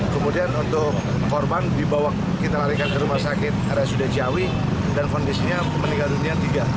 kemudian untuk korban dibawa kita larikan ke rumah sakit rsud ciawi dan kondisinya meninggal dunia tiga